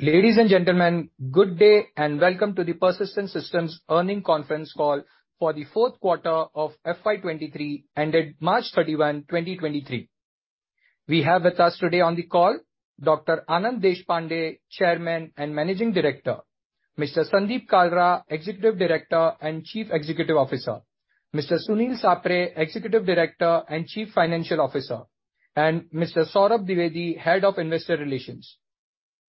Ladies and gentlemen, good day and welcome to the Persistent Systems Earnings Conference Call for the fourth quarter of FY 23, ended March 31, 2023. We have with us today on the call Dr. Anand Deshpande, Chairman and Managing Director. Mr. Sandeep Kalra, Executive Director and Chief Executive Officer. Mr. Sunil Sapre, Executive Director and Chief Financial Officer, and Mr. Saurabh Dwivedi, Head of Investor Relations.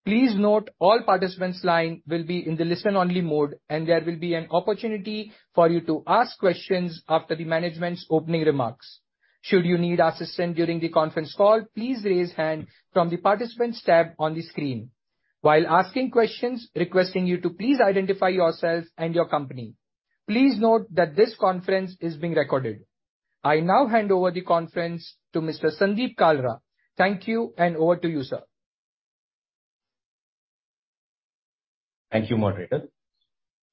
Please note all participants line will be in the listen-only mode. There will be an opportunity for you to ask questions after the management's opening remarks. Should you need assistance during the conference call, please raise hand from the Participants tab on the screen. While asking questions, requesting you to please identify yourselves and your company. Please note that this conference is being recorded. I now hand over the conference to Mr. Sandeep Kalra. Thank you. Over to you, sir. Thank you, moderator.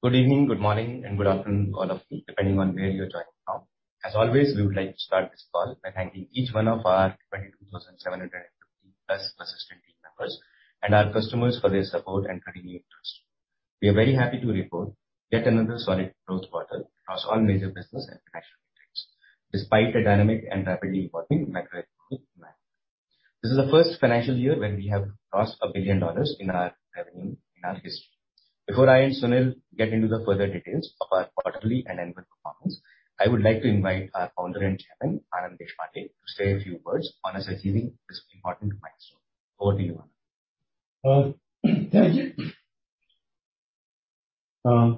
Good evening, good morning, and good afternoon, all of you, depending on where you're joining from. As always, we would like to start this call by thanking each one of our 22,750+ Persistent team members and our customers for their support and continued trust. We are very happy to report yet another solid growth quarter across all major business and financial metrics, despite a dynamic and rapidly evolving macroeconomic environment. This is the first financial year when we have crossed $1 billion in our revenue in our history. Before I and Sunil get into the further details of our quarterly and annual performance, I would like to invite our Founder and Chairman, Anand Deshpande, to say a few words on us achieving this important milestone. Over to you, Anand. Thank you.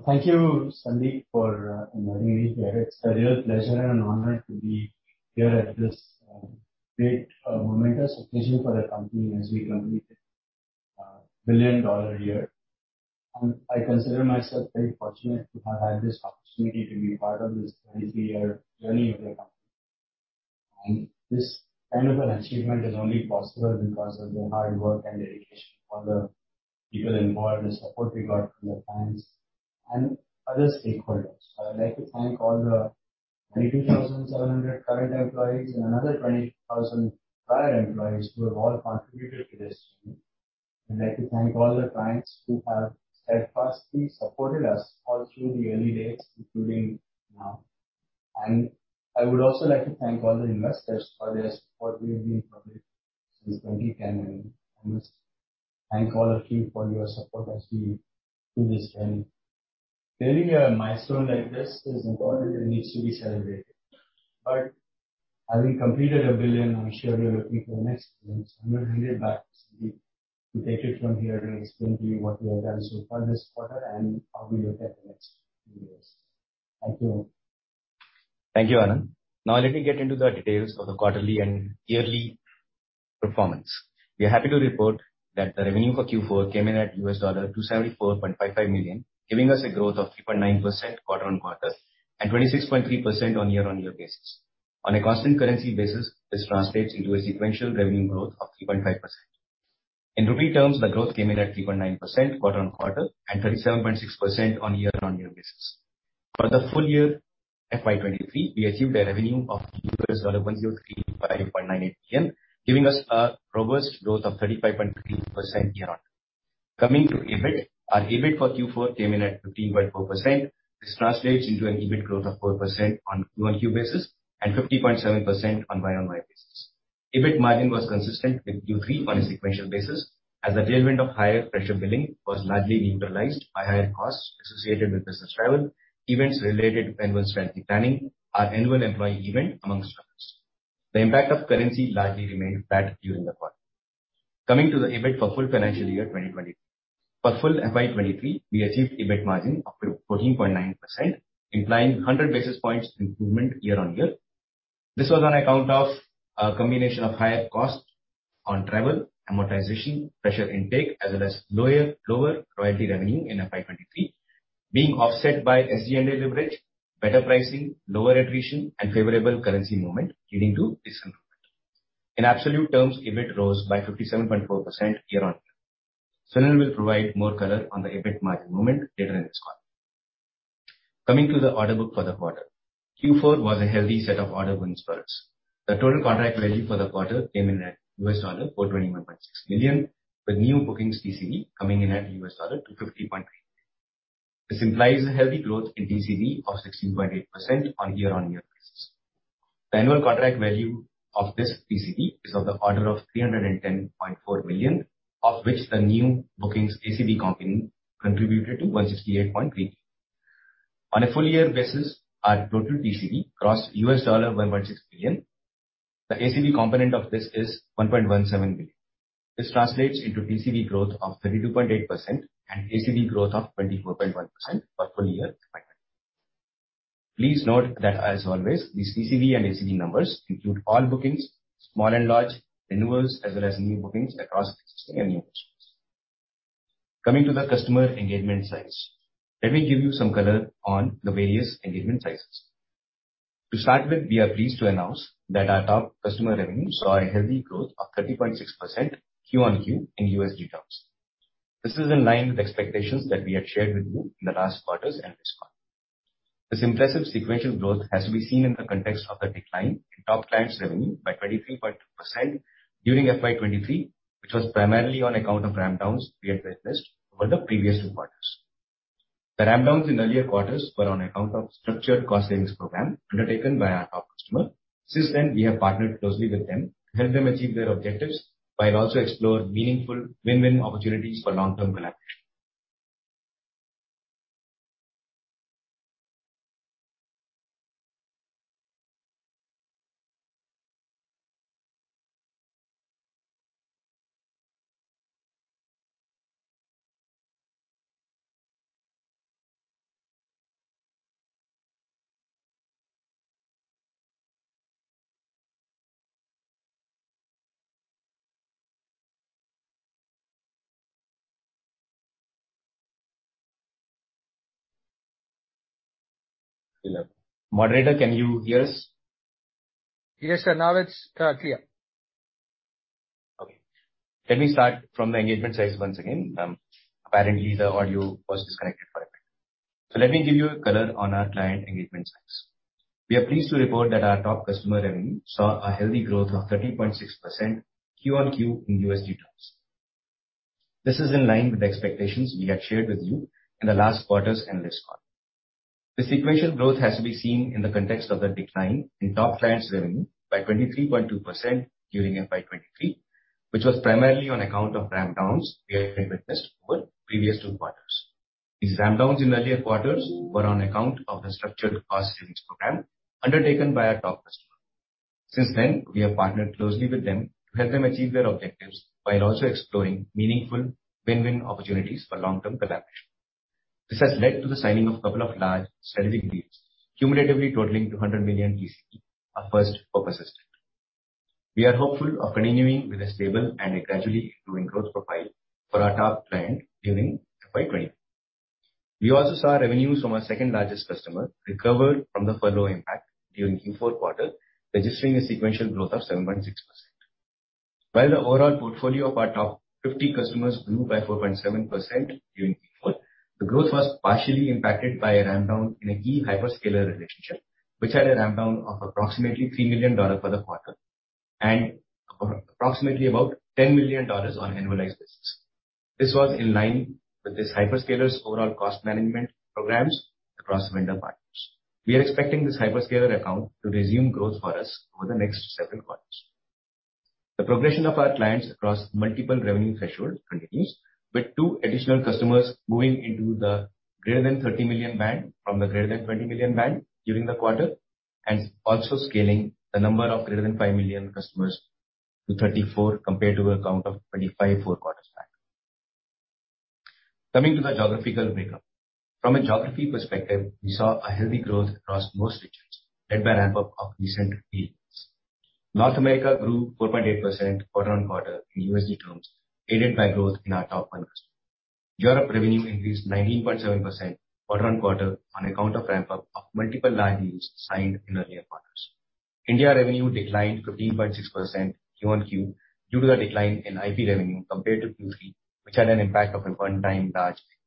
Thank you, Sandeep, for inviting me here. It's a real pleasure and honor to be here at this big momentous occasion for the company as we complete a billion-dollar year. I consider myself very fortunate to have had this opportunity to be part of this 33-year journey of the company. This kind of an achievement is only possible because of the hard work and dedication of all the people involved, the support we got from the clients and other stakeholders. I would like to thank all the 22,700 current employees and another 20,000 prior employees who have all contributed to this journey. I'd like to thank all the clients who have steadfastly supported us all through the early days, including now. I would also like to thank all the investors for their support. We have been public since 2010, I must thank all of you for your support as we do this journey. Reaching a milestone like this is important and needs to be celebrated. As we completed $1 billion, I'm sure we are looking for the next $1 billion. I'm going to hand it back to Sandeep to take it from here and explain to you what we have done so far this quarter and how we look at the next few years. Thank you. Thank you, Anand. Let me get into the details of the quarterly and yearly performance. We are happy to report that the revenue for Q4 came in at $274.55 million, giving us a growth of 3.9% quarter-on-quarter and 26.3% on year-on-year basis. On a constant currency basis, this translates into a sequential revenue growth of 3.5%. In INR terms, the growth came in at 3.9% quarter-on-quarter and 37.6% on year-on-year basis. For the full year FY23, we achieved a revenue of $1,035.98 billion, giving us a robust growth of 35.3% year-on-year. Coming to EBIT. Our EBIT for Q4 came in at 15.4%. This translates into an EBIT growth of 4% on Q on Q basis and 50.7% on YoY basis. EBIT margin was consistent with Q3 on a sequential basis, as the tailwind of higher fresher billing was largely neutralized by higher costs associated with business travel, events related to annual strategy planning, our annual employee event, amongst others. The impact of currency largely remained flat during the quarter. The EBIT for full financial year 2023. For full FY 2023, we achieved EBIT margin of 14.9%, implying 100 basis points improvement year on year. This was on account of a combination of higher costs on travel, amortization, fresher intake, as well as lower royalty revenue in FY 2023 being offset by SG&A leverage, better pricing, lower attrition, and favorable currency movement leading to this improvement. In absolute terms, EBIT rose by 57.4% year-on-year. Sunil will provide more color on the EBIT margin movement later in this call. Coming to the order book for the quarter. Q4 was a healthy set of order wins for us. The total contract value for the quarter came in at $421.6 million, with new bookings TCV coming in at $250.9 million. This implies a healthy growth in TCV of 16.8% on year-on-year basis. The annual contract value of this TCV is of the order of $310.4 million, of which the new bookings ACV component contributed to $168.3 million. On a full year basis, our total TCV crossed $1.6 billion. The ACV component of this is $1.17 billion. This translates into TCV growth of 32.8% and ACV growth of 24.1% for full year FY23. Please note that as always, these TCV and ACV numbers include all bookings, small and large, renewals, as well as new bookings across existing and new customers. Coming to the customer engagement size. Let me give you some color on the various engagement sizes. To start with, we are pleased to announce that our top customer revenue saw a healthy growth of 30.6% QoQ in USD terms. This is in line with expectations that we had shared with you in the last quarters and this one. This impressive sequential growth has to be seen in the context of the decline in top clients revenue by 23.2% during FY 2023, which was primarily on account of ramp downs we had witnessed over the previous two quarters. The ramp downs in earlier quarters were on account of structured cost savings program undertaken by our top customer. Since then, we have partnered closely with them to help them achieve their objectives, while also explore meaningful win-win opportunities for long-term collaboration. Hello, Moderator, can you hear us? Yes, sir. Now it's clear. Okay. Let me start from the engagement size once again. Apparently the audio was disconnected for a bit. Let me give you a color on our client engagement size. We are pleased to report that our top customer revenue saw a healthy growth of 13.6% QoQ in USD terms. This is in line with the expectations we had shared with you in the last quarter's analyst call. The sequential growth has to be seen in the context of the decline in top clients revenue by 23.2% during FY23, which was primarily on account of ramp downs we had witnessed over previous two quarters. These ramp downs in earlier quarters were on account of the structured cost savings program undertaken by our top customer. Since then, we have partnered closely with them to help them achieve their objectives while also exploring meaningful win-win opportunities for long-term collaboration. This has led to the signing of a couple of large strategic deals, cumulatively totaling 200 million TCV, our first focused. We are hopeful of continuing with a stable and a gradually improving growth profile for our top client during FY 2024. We also saw revenues from our second-largest customer recover from the furlough impact during Q4 quarter, registering a sequential growth of 7.6%. While the overall portfolio of our top 50 customers grew by 4.7% during Q4, the growth was partially impacted by a ramp down in a key hyperscaler relationship, which had a ramp down of approximately $3 million for the quarter and approximately about $10 million on annualized basis. This was in line with this hyperscaler's overall cost management programs across vendor partners. We are expecting this hyperscaler account to resume growth for us over the next several quarters. The progression of our clients across multiple revenue thresholds continues, with two additional customers moving into the greater than $30 million band from the greater than $20 million band during the quarter. Also scaling the number of greater than $5 million customers to 34 compared to a count of 25 four quarters back. Coming to the geographical makeup. From a geography perspective, we saw a healthy growth across most regions, led by ramp up of recent deals. North America grew 4.8% quarter-over-quarter in USD terms, aided by growth in our top one customer. Europe revenue increased 19.7% quarter-on-quarter on account of ramp up of multiple large deals signed in earlier quarters. India revenue declined 15.6% QoQ due to a decline in IP revenue compared to Q3, which had an impact of a one-time large deal.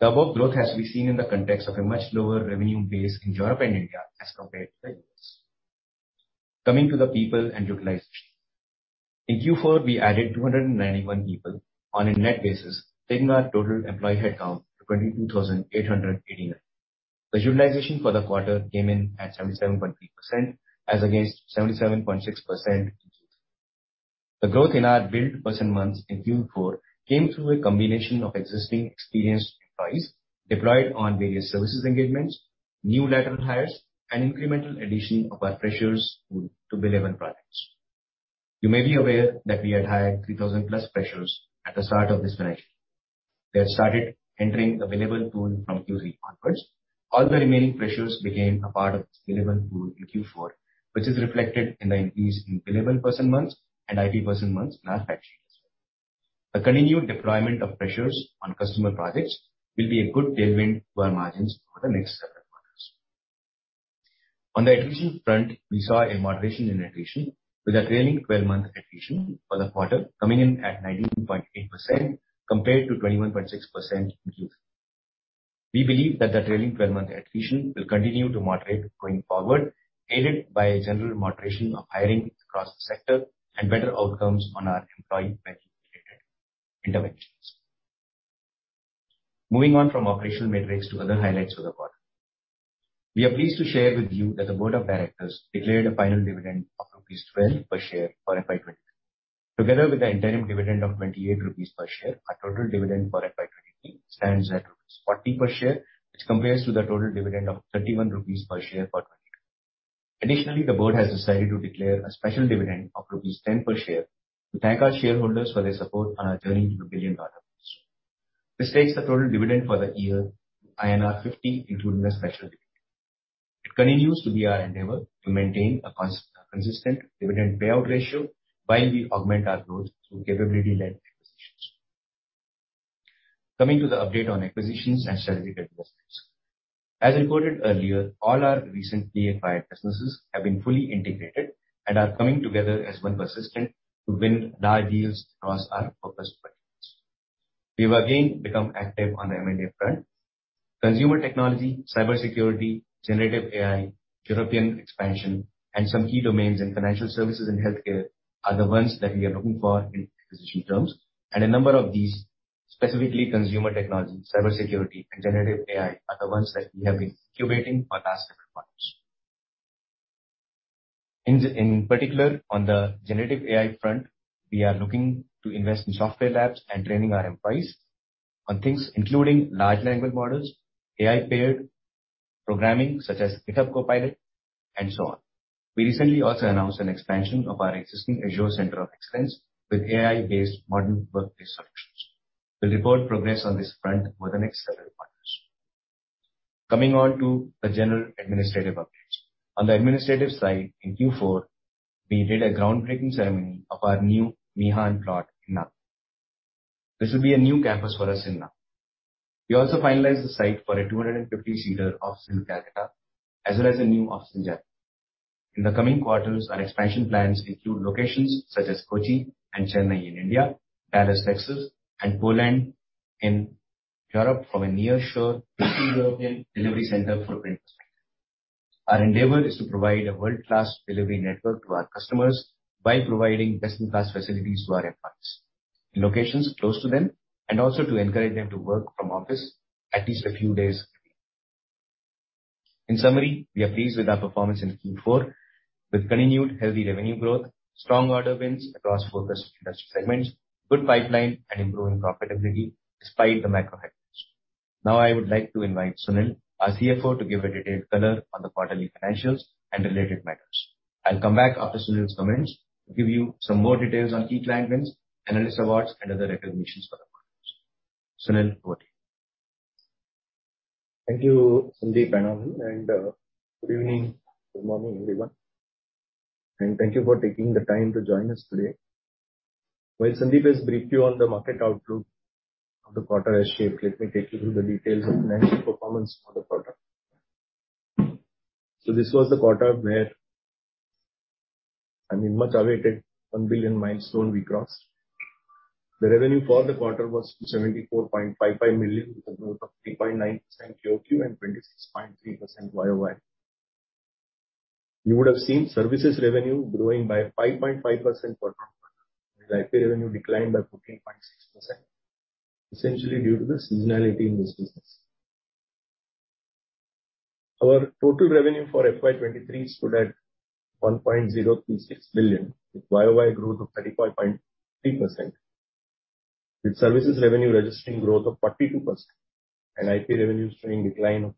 The above growth has to be seen in the context of a much lower revenue base in Europe and India as compared to the U.S. Coming to the people and utilization. In Q4, we added 291 people on a net basis, taking our total employee headcount to 22,889. The utilization for the quarter came in at 77.3% as against 77.6% in Q3. The growth in our billed person months in Q4 came through a combination of existing experienced employees deployed on various services engagements, new lateral hires and incremental addition of our freshers pool to billable projects. You may be aware that we had hired 3,000+ freshers at the start of this financial year. They have started entering the billable pool from Q3 onwards. All the remaining freshers became a part of this billable pool in Q4, which is reflected in the increase in billable person months and IP person months in our fact sheet as well. A continued deployment of freshers on customer projects will be a good tailwind to our margins over the next several quarters. On the attrition front, we saw a moderation in attrition with the trailing 12-month attrition for the quarter coming in at 19.8% compared to 21.6% in Q3. We believe that the trailing 12-month attrition will continue to moderate going forward, aided by a general moderation of hiring across the sector and better outcomes on our employee value proposition interventions. Moving on from operational metrics to other highlights for the quarter. We are pleased to share with you that the board of directors declared a final dividend of rupees 12 per share for FY23. Together with the interim dividend of 28 rupees per share, our total dividend for FY23 stands at rupees 40 per share, which compares to the total dividend of 31 rupees per share for FY22. Additionally, the board has decided to declare a special dividend of rupees 10 per share to thank our shareholders for their support on our journey to $1 billion milestone. This takes the total dividend for the year to INR 50, including the special dividend. It continues to be our endeavor to maintain a consistent dividend payout ratio while we augment our growth through capability-led acquisitions. Coming to the update on acquisitions and strategic investments. As reported earlier, all our recently acquired businesses have been fully integrated and are coming together as one Persistent to win large deals across our focused verticals. We have again become active on the M&A front. Consumer technology, cybersecurity, generative AI, European expansion, and some key domains in financial services and healthcare are the ones that we are looking for in acquisition terms. A number of these, specifically consumer technology, cybersecurity, and generative AI, are the ones that we have been incubating for the past several quarters. In particular, on the generative AI front, we are looking to invest in software labs and training our employees on things including large language models, AI-paired programming such as GitHub Copilot, and so on. We recently also announced an expansion of our existing Azure Center of Excellence with AI-based modern workplace solutions. We'll report progress on this front over the next several quarters. Coming on to the general administrative updates. On the administrative side, in Q4, we did a groundbreaking ceremony of our new MIHAN plot in Nagpur. This will be a new campus for us in Nagpur. We also finalized the site for a 250-seater office in Calcutta, as well as a new office in Japan. In the coming quarters, our expansion plans include locations such as Kochi and Chennai in India, Dallas, Texas, and Poland in Europe from a nearshore European delivery center for print perspective. Our endeavor is to provide a world-class delivery network to our customers by providing best-in-class facilities to our employees in locations close to them, and also to encourage them to work from office at least a few days a week. In summary, we are pleased with our performance in Q4 with continued healthy revenue growth, strong order wins across focused industry segments, good pipeline and improving profitability despite the macro headwinds. Now I would like to invite Sunil, our CFO, to give a detailed color on the quarterly financials and related matters. I'll come back after Sunil's comments to give you some more details on key client wins, analyst awards and other recognitions for the partners. Sunil, over to you. Thank you, Sandeep and Avani, good evening, good morning, everyone, and thank you for taking the time to join us today. While Sandeep has briefed you on the market outlook of the quarter as shaped, let me take you through the details of financial performance for the quarter. This was the quarter where, I mean, much awaited $1 billion milestone we crossed. The revenue for the quarter was $274.55 million, with a growth of 3.9% QoQ and 26.3% YoY. You would have seen services revenue growing by 5.5% quarter-on-quarter and IP revenue declined by 14.6%, essentially due to the seasonality in this business. Our total revenue for FY23 stood at $1.036 billion, with YoY growth of 35.3%, with services revenue registering growth of 42% and IP revenue showing decline of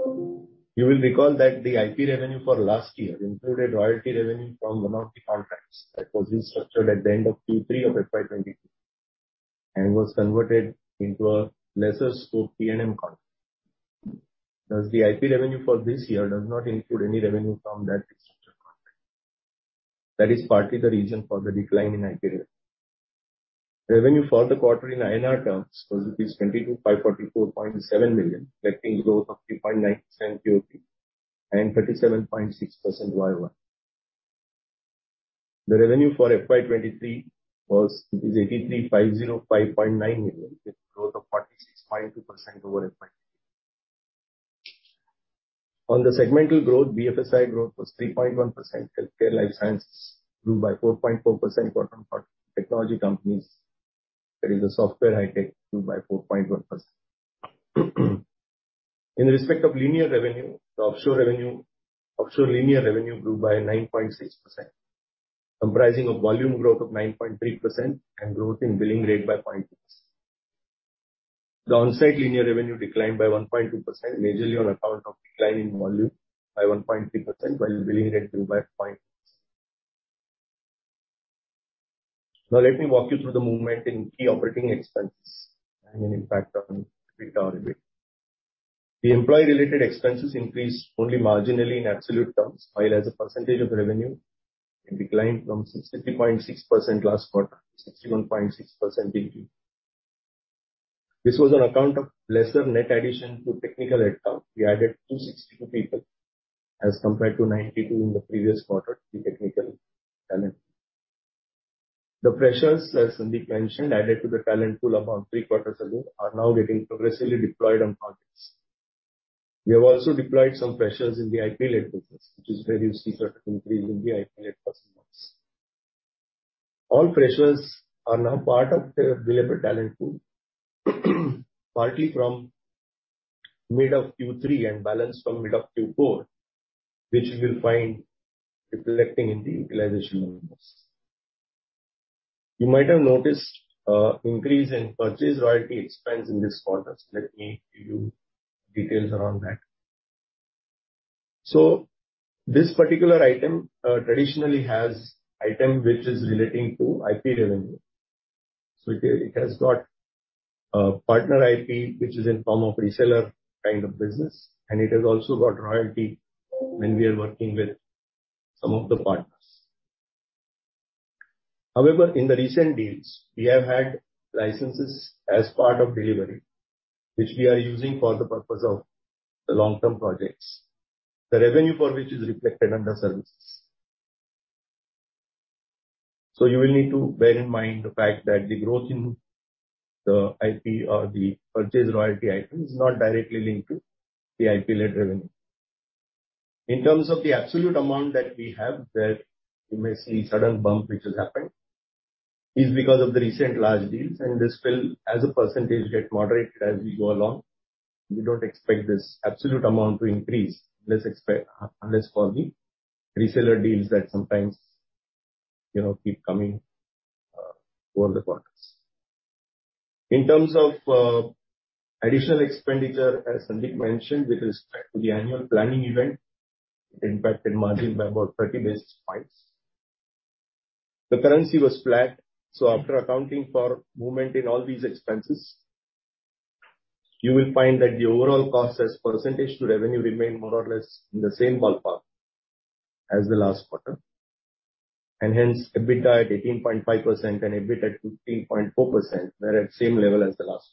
14.86%. You will recall that the IP revenue for last year included royalty revenue from one of the contracts that was restructured at the end of Q3 of FY22 and was converted into a lesser scope T&M contract. Thus, the IP revenue for this year does not include any revenue from that restructure contract. That is partly the reason for the decline in IP revenue. Revenue for the quarter in INR terms was 22,544.7 million, reflecting growth of 3.9% QoQ and 37.6% YoY. The revenue for FY 2023 was 83,505.9 million, with growth of 46.2% over FY 2022. On the segmental growth, BFSI growth was 3.1%. Healthcare and life sciences grew by 4.4% quarter on quarter. Technology companies, that is the software high tech, grew by 4.1%. In respect of linear revenue to offshore revenue, offshore linear revenue grew by 9.6%, comprising of volume growth of 9.3% and growth in billing rate by 0.6%. The onsite linear revenue declined by 1.2%, majorly on account of decline in volume by 1.3%, while billing rate grew by 0.6%. Let me walk you through the movement in key operating expenses and an impact on EBITDA. The employee-related expenses increased only marginally in absolute terms, while as a percentage of revenue, it declined from 63.6% last quarter to 61.6% in Q4. This was on account of lesser net addition to technical headcount. We added 262 people as compared to 92 in the previous quarter to the technical talent. The freshers, as Sandeep mentioned, added to the talent pool about 3/4 ago are now getting progressively deployed on projects. We have also deployed some freshers in the IP-led business, which is where you see certain increase in the IP-led person months. All freshers are now part of the available talent pool, partly from mid of Q3 and balance from mid of Q4, which you will find reflecting in the utilization numbers. You might have noticed an increase in purchase royalty expense in this quarter, so let me give you details around that. This particular item, traditionally has item which is relating to IP revenue. It has got partner IP, which is in form of reseller kind of business, and it has also got royalty when we are working with some of the partners. However, in the recent deals, we have had licenses as part of delivery, which we are using for the purpose of the long-term projects. The revenue for which is reflected under services. You will need to bear in mind the fact that the growth in the IP or the purchase royalty IP is not directly linked to the IP-led revenue. In terms of the absolute amount that we have, that you may see sudden bump which has happened is because of the recent large deals, and this will as a % get moderated as we go along. We don't expect this absolute amount to increase, unless for the reseller deals that sometimes, you know, keep coming over the quarters. In terms of additional expenditure, as Sandeep mentioned, with respect to the annual planning event, it impacted margin by about 30 basis points. The currency was flat, after accounting for movement in all these expenses, you will find that the overall cost as % to revenue remained more or less in the same ballpark as the last quarter. EBITDA at 18.5% and EBIT at 15.4% were at same level as the last.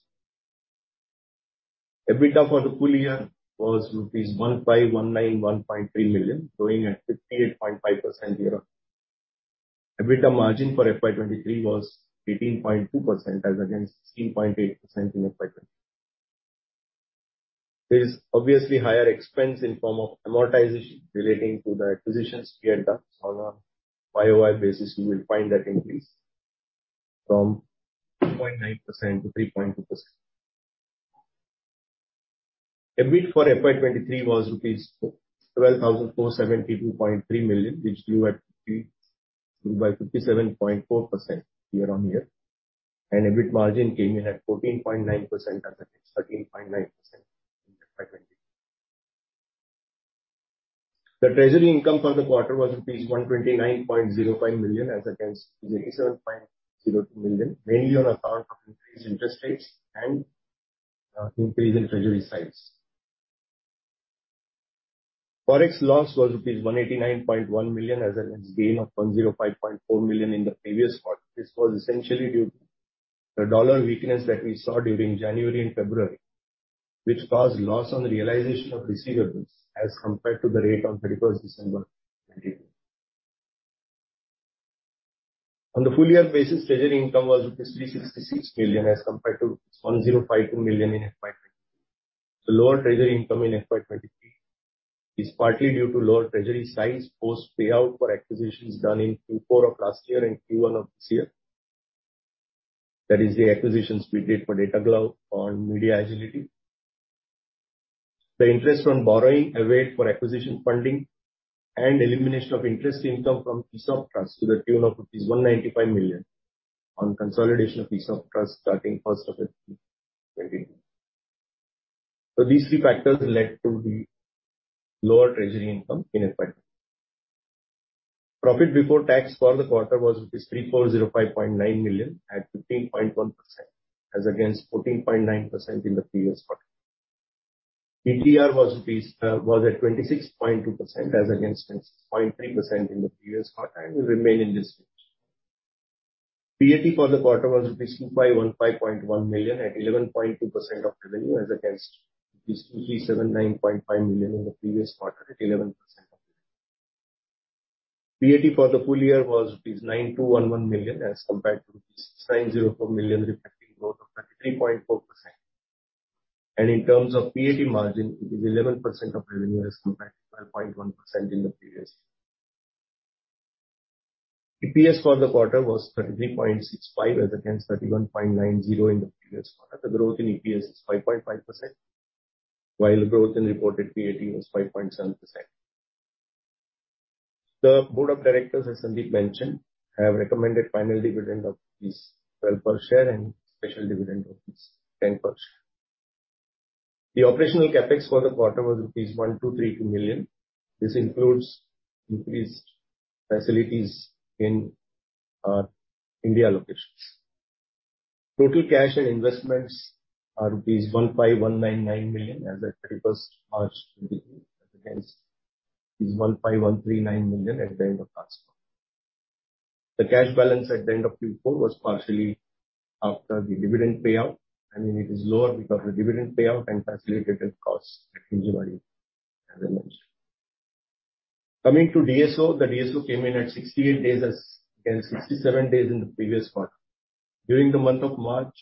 EBITDA for the full year was rupees 15,191.3 million, growing at 58.5% year over. EBITDA margin for FY23 was 18.2% as against 16.8% in FY22. There is obviously higher expense in form of amortization relating to the acquisitions we had done. On a YoY basis, you will find that increase from 2.9%-3.2%. EBIT for FY23 was rupees 12,472.3 million, which grew at 57.4% year-on-year. EBIT margin came in at 14.9% as against 13.9% in FY22. The treasury income for the quarter was rupees 129.05 million as against 87.02 million, mainly on account of increased interest rates and increase in treasury size. Forex loss was rupees 189.1 million as against gain of 105.4 million in the previous quarter. This was essentially due to the dollar weakness that we saw during January and February, which caused loss on the realization of receivables as compared to the rate on 31st December 2022. On the full year basis, treasury income was rupees 366 million as compared to 1,052 million in FY 2022. The lower treasury income in FY 2023 is partly due to lower treasury size post payout for acquisitions done in Q4 of last year and Q1 of this year. That is the acquisitions we did for Data Glove on MediaAgility. The interest from borrowing await for acquisition funding and elimination of interest income from ESOP trust to the tune of rupees 195 million on consolidation of ESOP trust starting April 1, 2022. These three factors led to the lower treasury income in FY23. Profit before tax for the quarter was 3,405.9 million at 15.1% as against 14.9% in the previous quarter. ETR was at 26.2% as against 26.3% in the previous quarter and will remain in this range. PAT for the quarter was rupees 2,515.1 million at 11.2% of revenue as against rupees 2,379.5 million in the previous quarter at 11% of revenue. PAT for the full year was 9,211 million as compared to 6,904 million, reflecting growth of 33.4%. In terms of PAT margin, it is 11% of revenue as compared to 12.1% in the previous year. EPS for the quarter was 33.65 as against 31.90 in the previous quarter. The growth in EPS is 5.5%, while growth in reported PAT was 5.7%. The board of directors, as Sandeep mentioned, have recommended final dividend of 12 per share and special dividend of 10 per share. The operational CapEx for the quarter was rupees 1,232 million. This includes increased facilities in India locations. Total cash and investments are rupees 15,199 million as at 31st March 2023, as against 15,139 million at the end of last quarter. The cash balance at the end of Q4 was partially after the dividend payout, and it is lower because of the dividend payout and facility rental costs at Tirunelveli, as I mentioned. Coming to DSO, the DSO came in at 68 days as against 67 days in the previous quarter. During the month of March,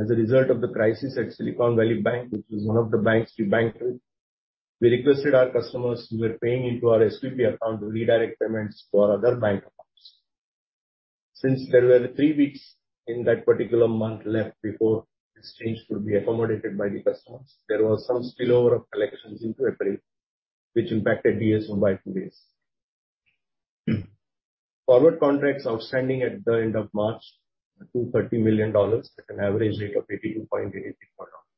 as a result of the crisis at Silicon Valley Bank, which was one of the banks we bank with, we requested our customers who were paying into our SVB account to redirect payments to our other bank accounts. There were 3 weeks in that particular month left before this change could be accommodated by the customers, there was some spillover of collections into April, which impacted DSO by 2 days. Forward contracts outstanding at the end of March are $230 million at an average rate of 82.83 per dollar.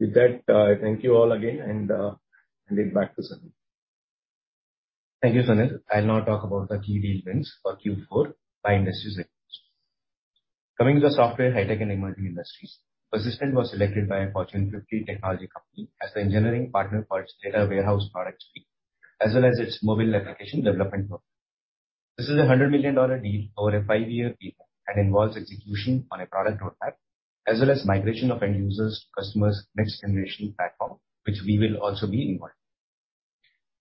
With that, I thank you all again and hand it back to Sandeep. Thank you, Sunil. I'll now talk about the key deal wins for Q4 by industries and regions. Coming to the software, high tech and emerging industries. Persistent was selected by a Fortune 50 technology company as the engineering partner for its data warehouse product suite, as well as its mobile application development work. This is a $100 million deal over a 5-year period and involves execution on a product roadmap as well as migration of end users to customer's next generation platform, which we will also be involved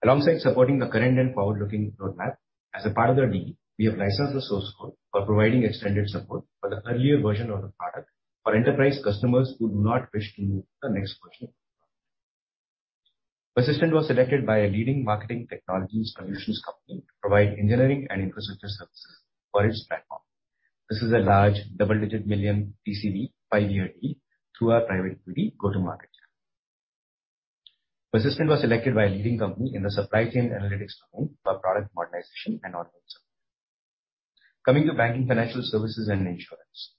in. Alongside supporting the current and forward-looking roadmap, as a part of the deal, we have licensed the source code for providing extended support for the earlier version of the product for enterprise customers who do not wish to move to the next version. Persistent was selected by a leading marketing technologies solutions company to provide engineering and infrastructure services for its platform. This is a large double-digit million TCV 5-year deal through our private equity go-to-market. Persistent was selected by a leading company in the supply chain analytics domain for product modernization and Coming to banking, financial services, and insurance.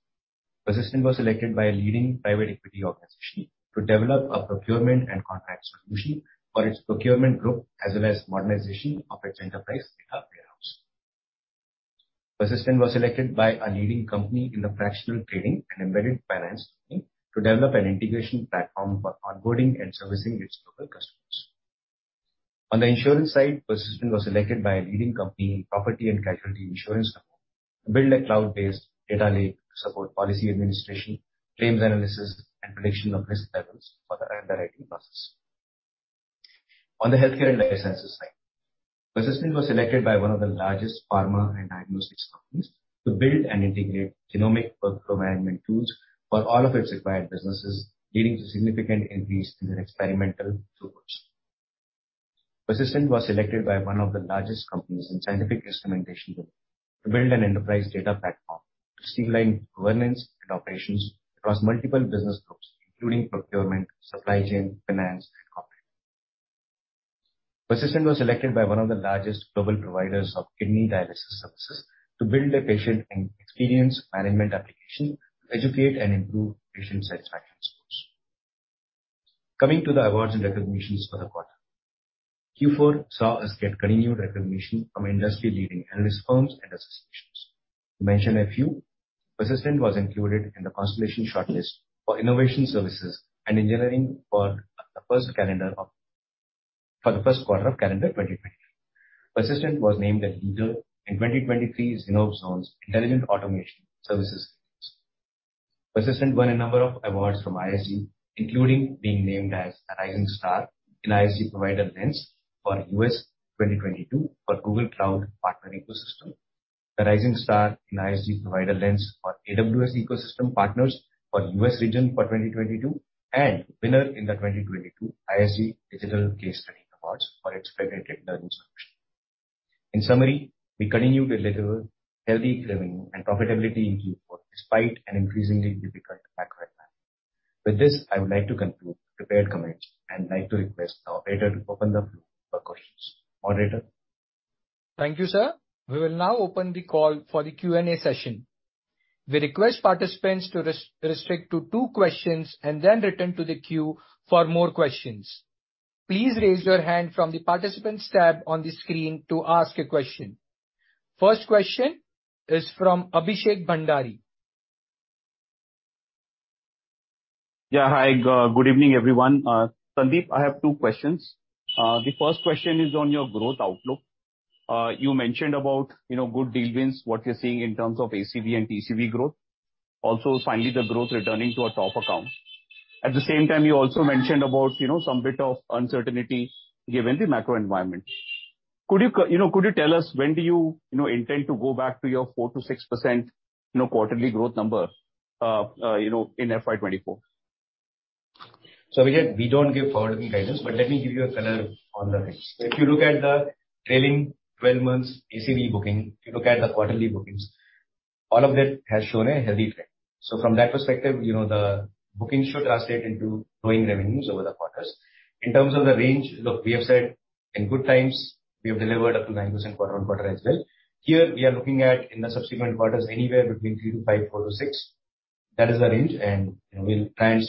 Persistent was selected by a leading private equity organization to develop a procurement and contract solution for its procurement group as well as modernization of its enterprise data warehouse. Persistent was selected by a leading company in the fractional trading and embedded finance domain to develop an integration platform for onboarding and servicing its global customers. On the insurance side, Persistent was selected by a leading company in property and casualty insurance support to build a cloud-based data lake to support policy administration, claims analysis, and prediction of risk levels for the underwriting process. On the healthcare and life sciences side, Persistent was selected by one of the largest pharma and diagnostics companies to build and integrate genomic workflow management tools for all of its acquired businesses, leading to significant increase in their experimental throughputs. Persistent was selected by one of the largest companies in scientific instrumentation group to build an enterprise data platform to streamline governance and operations across multiple business groups, including procurement, supply chain, finance, and corporate. Persistent was selected by one of the largest global providers of kidney dialysis services to build a patient and experience management application to educate and improve patient satisfaction scores. Coming to the awards and recognitions for the quarter. Q4 saw us get continued recognition from industry-leading analyst firms and associations. To mention a few, Persistent was included in the Constellation ShortList for innovation services and engineering for the first quarter of calendar 2020. Persistent was named a leader in 2023 Zinnov Zones for Intelligent Automation Services. Persistent won a number of awards from ISG, including being named as a Rising Star in ISG Provider Lens for U.S. 2022 for Google Cloud Partner Ecosystem. The Rising Star in ISG Provider Lens for AWS Ecosystem Partners for U.S. region for 2022. Winner in the 2022 ISG Digital Case Study Awards for its patented learning solution. In summary, we continue to deliver healthy revenue and profitability in Q4 despite an increasingly difficult macro environment. With this, I would like to conclude prepared comments and like to request the operator to open the floor for questions. Operator? Thank you, sir. We will now open the call for the Q&A session. We request participants to restrict to 2 questions and then return to the queue for more questions. Please raise your hand from the Participants tab on the screen to ask a question. First question is from Abhishek Bhandari. Yeah. Hi. Good evening, everyone. Sandeep, I have 2 questions. The first question is on your growth outlook. You mentioned about, you know, good deal wins, what you're seeing in terms of ACV and TCV growth. Also, finally, the growth returning to our top accounts. At the same time, you also mentioned about, you know, some bit of uncertainty given the macro environment. Could you know, could you tell us when do you know, intend to go back to your 4%-6%, you know, quarterly growth number, you know, in FY 2024? We don't give forward-looking guidance, but let me give you a color on the range. If you look at the trailing 12 months ACV booking, if you look at the quarterly bookings, all of that has shown a healthy trend. From that perspective, you know, the bookings should translate into growing revenues over the quarters. In terms of the range, look, we have said in good times, we have delivered up to 9% quarter-over-quarter as well. Here we are looking at, in the subsequent quarters, anywhere between 3-5%, 4-6%. That is the range, and, you know, we'll try and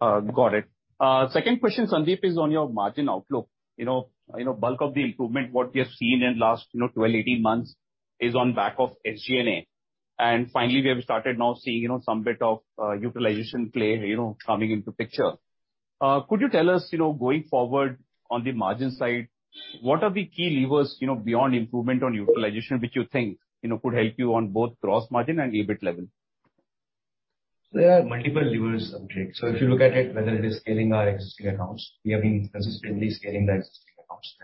surpass. Got it. Second question, Sandeep, is on your margin outlook. You know, bulk of the improvement, what we have seen in last, you know, 12, 18 months is on back of SG&A. Finally, we have started now seeing, you know, some bit of utilization play, you know, coming into picture. Could you tell us, you know, going forward on the margin side, what are the key levers, you know, beyond improvement on utilization, which you think, you know, could help you on both gross margin and EBIT level? There are multiple levers, Abhishek. If you look at it, whether it is scaling our existing accounts, we have been consistently scaling the existing accounts.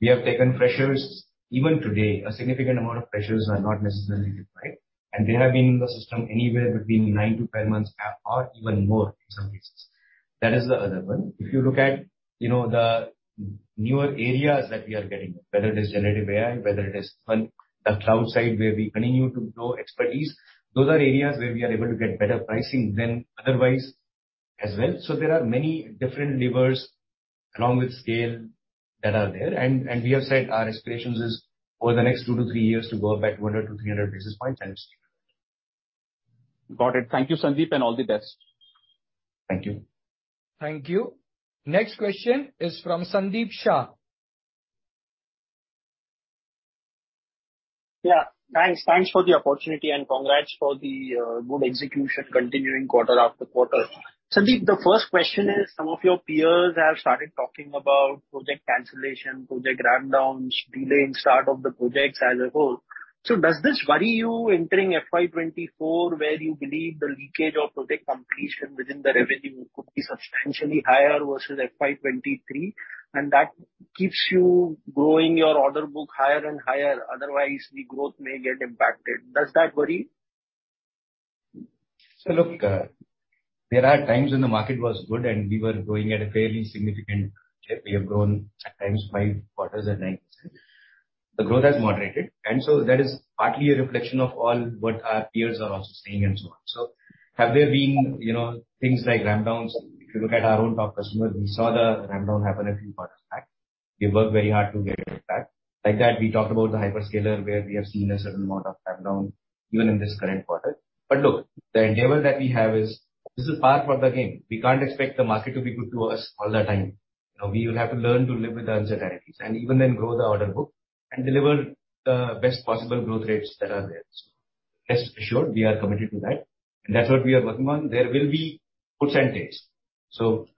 We have taken freshers. Even today, a significant amount of freshers are not necessarily deployed, and they have been in the system anywhere between 9 to 10 months or even more in some cases. That is the other one. If you look at, you know, the newer areas that we are getting, whether it is generative AI, whether it is on the cloud side where we continue to grow expertise, those are areas where we are able to get better pricing than otherwise as well. There are many different levers along with scale that are there. We have said our aspirations is over the next two to three years to go up by 200 to 300 basis points and sustain it. Got it. Thank you, Sandeep, and all the best. Thank you. Thank you. Next question is from Sandeep Shah. Yeah. Thanks. Thanks for the opportunity, and congrats for the good execution continuing quarter after quarter. Sandeep, the first question is, some of your peers have started talking about project cancellation, project ramp downs, delaying start of the projects as a whole. Does this worry you entering FY24, where you believe the leakage of project completion within the revenue could be substantially higher versus FY23, and that keeps you growing your order book higher and higher, otherwise the growth may get impacted? Does that worry you? Look, there are times when the market was good and we were growing at a fairly significant. We have grown at times 5 quarters at 9%. The growth has moderated, that is partly a reflection of all what our peers are also saying and so on. Have there been, you know, things like ramp downs? If you look at our own top customers, we saw the ramp down happen a few quarters back. We worked very hard to get it back. Like that, we talked about the hyperscaler, where we have seen a certain amount of ramp down even in this current quarter. Look, the endeavor that we have is this is par for the game. We can't expect the market to be good to us all the time. We will have to learn to live with the uncertainties and even then grow the order book and deliver the best possible growth rates that are there. Rest assured, we are committed to that, and that's what we are working on. There will be percentages.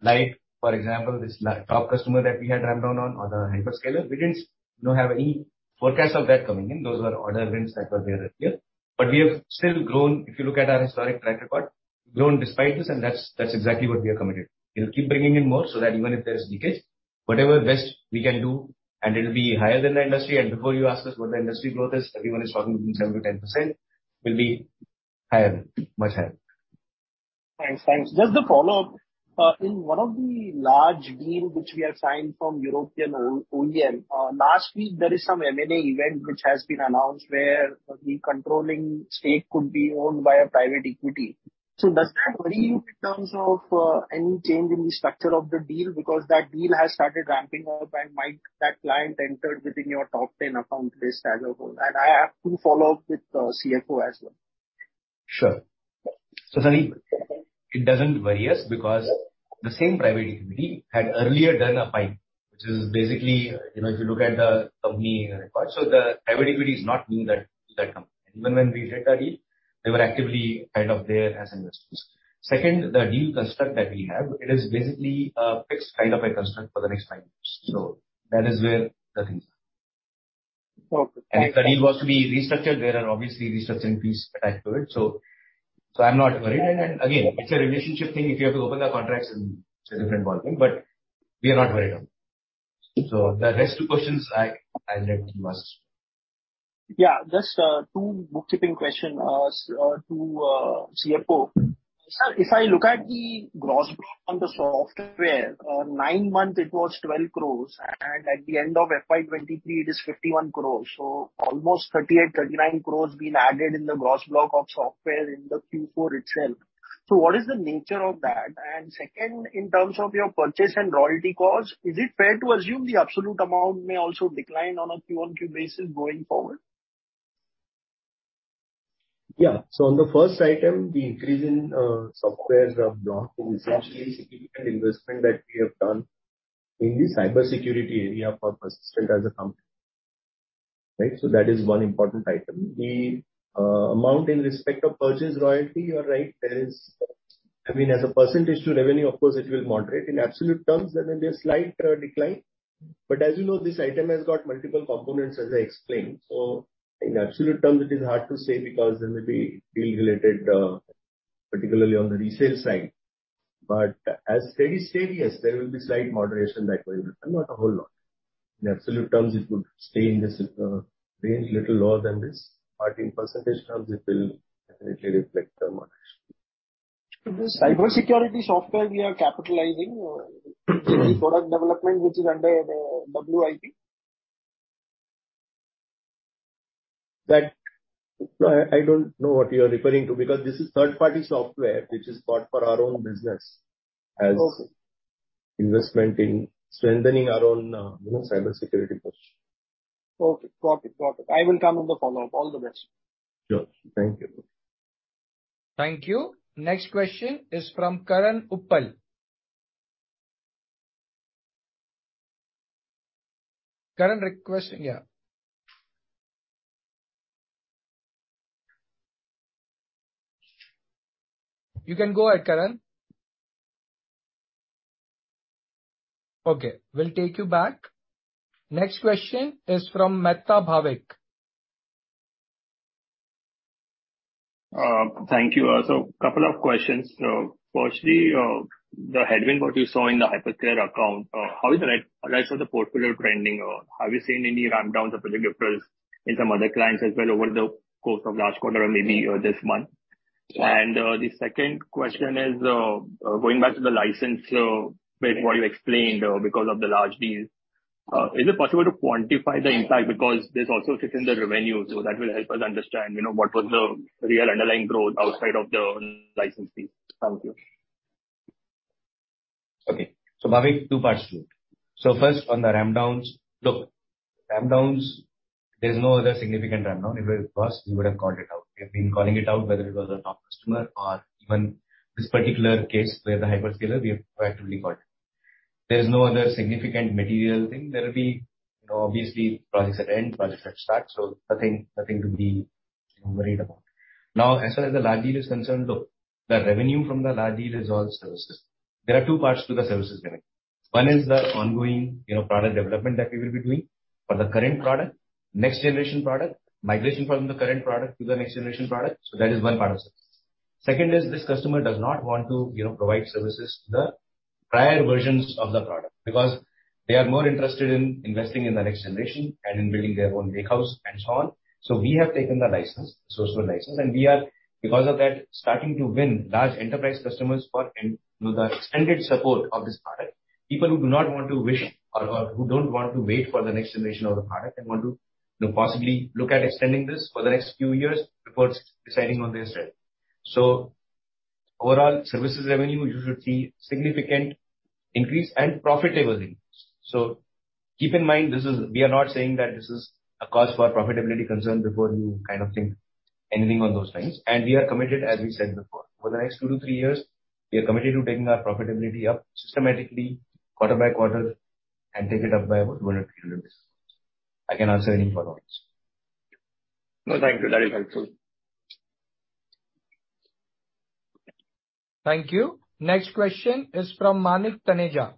Like for example, this top customer that we had ramped down on or the hyperscaler, we didn't, you know, have any forecast of that coming in. Those were order wins that were there earlier. We have still grown, if you look at our historic track record, grown despite this, and that's exactly what we are committed. We'll keep bringing in more so that even if there is leakage, whatever best we can do, and it'll be higher than the industry. Before you ask us what the industry growth is, everyone is talking between 7%-10%. We'll be higher, much higher. Thanks. Thanks. Just a follow-up. In one of the large deal which we have signed from warehouse, last week there is some M&A event which has been announced where the controlling stake could be owned by a private equity. So does that worry you in terms of any change in the structure of the deal? Because that deal has started ramping up, and might that client entered within your top 10 account list as a whole. I have to follow up with CFO as well. Sure. Sandeep, it doesn't worry us because the same private equity had earlier done a PIPE, which is basically, you know, if you look at the company records. The private equity is not new that, to that company. Even when we hit that deal, they were actively kind of there as investors. Second, the deal construct that we have, it is basically a fixed kind of a construct for the next 5 years. That is where the things are. Okay. If the deal was to be restructured, there are obviously restructuring fees attached to it. I'm not worried. Again, it's a relationship thing. If you have to open the contracts it's a different ballgame. We are not worried at all. The rest two questions I'll leave to you, sir. Just 2 bookkeeping question to CFO. Sir, if I look at the gross block on the software, 9 months it was 12 crores, and at the end of FY23 it is 51 crores. Almost 38-39 crores been added in the gross block of software in the Q4 itself. What is the nature of that? Second, in terms of your purchase and royalty costs, is it fair to assume the absolute amount may also decline on a Q on Q basis going forward? Yeah. On the first item, the increase in software rev block is essentially significant investment that we have done in the cybersecurity area for Persistent as a company. Right? That is one important item. The amount in respect of purchase royalty, you're right, I mean, as a % to revenue, of course it will moderate. In absolute terms, there may be a slight decline. As you know, this item has got multiple components, as I explained. In absolute terms it is hard to say because there may be deal related, particularly on the resale side. As steady state, yes, there will be slight moderation that way, but not a whole lot. In absolute terms, it would stay in this range, little lower than this. In % terms it will definitely reflect the moderation. The cybersecurity software we are capitalizing, in the product development which is under, WIP? No, I don't know what you are referring to, because this is third-party software which is bought for our own business. Okay. as investment in strengthening our own, you know, cybersecurity posture. Okay. Got it. Got it. I will come on the follow-up. All the best. Sure. Thank you. Thank you. Next question is from Karan Uppal. Karan. Yeah. You can go ahead, Karan. Okay, we'll take you back. Next question is from Mehta Bhavik. Thank you. Couple of questions. Firstly, the headwind what you saw in the hyperscaler account, how is the rest of the portfolio trending? Have you seen any ramp downs or project referrals in some other clients as well over the course of last quarter or maybe this month? Yeah. The second question is going back to the license, with what you explained, because of the large deals, is it possible to quantify the impact? Because this also sits in the revenue, so that will help us understand, you know, what was the real underlying growth outside of the license fees. Thank you. Okay. Bhavik, two parts to it. First on the ramp downs. Look, ramp downs, there's no other significant ramp down. If it was, we would have called it out. We have been calling it out, whether it was a top customer or even this particular case where the hyperscaler, we have proactively called it out. There's no other significant material thing. There will be, you know, obviously projects that end, projects that start, so nothing to be worried about. As far as the large deal is concerned, look, the revenue from the large deal is all services. There are two parts to the services revenue. One is the ongoing, you know, product development that we will be doing for the current product, next generation product, migration from the current product to the next generation product. That is one part of services. Second is this customer does not want to, you know, provide services to the prior versions of the product, because they are more interested in investing in the next generation and in building their own warehouse and so on. We have taken the license, source code license, and we are, because of that, starting to win large enterprise customers for, you know, the extended support of this product. People who do not want to wish or who don't want to wait for the next generation of the product and want to, you know, possibly look at extending this for the next few years before deciding on their strategy. Overall, services revenue you should see significant increase and profitable increase. Keep in mind this is... we are not saying that this is a cause for profitability concern before you kind of think anything on those lines. We are committed, as we said before, for the next 2-3 years, we are committed to taking our profitability up systematically quarter by quarter and take it up by about 200 basis points. I can answer any follow-ups. No, thank you. That is helpful. Thank you. Next question is from Manik Taneja.